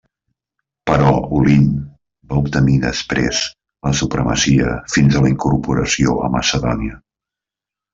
Però Olint va obtenir després la supremacia fins a la incorporació a Macedònia.